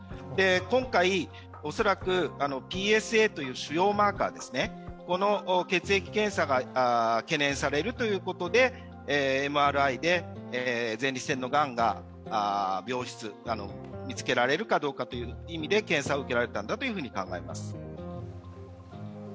今回、恐らくＰＳＡという腫瘍マーカーですね、この血液検査が懸念されるということでＭＲＩで前立腺のがんが病質、見つけられるかどうかという意味で検査を受けられたんだと考えられます。